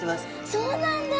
そうなんだ。